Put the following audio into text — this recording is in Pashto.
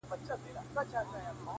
دا ستا دسرو سترگو خمار وچاته څه وركوي،